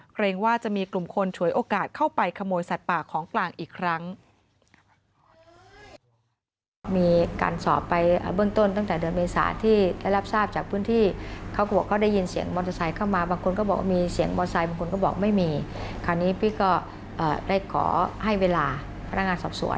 เกรงว่าจะมีกลุ่มคนฉวยโอกาสเข้าไปขโมยสัตว์ป่าของกลางอีกครั้ง